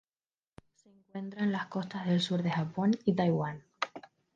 Se encuentra en las costas del sur de Japón y Taiwán.